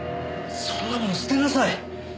そんなもの捨てなさい。